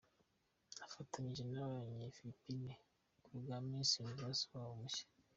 Nifatanyije n’Abanyafilipine kubwa Miss Universe wabo mushya.